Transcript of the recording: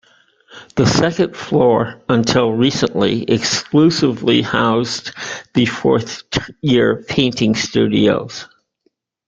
The second floor until recently exclusively housed the fourth year painting studios.